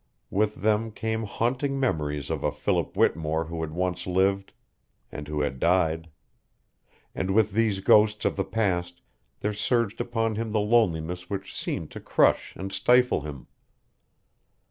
With them came haunting memories of a Philip Whittemore who had once lived, and who had died; and with these ghosts of the past there surged upon him the loneliness which seemed to crush and stifle him.